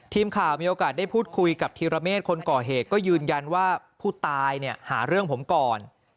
ทีมข่าวมีโอกาสได้พูดคุยกับธีรเมฆคนก่อเหตุก็ยืนยันว่าผู้ตายเนี่ยหาเรื่องผมก่อน